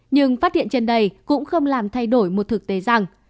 nhưng phát hiện trên đây cũng không làm thay đổi một thực tế rằng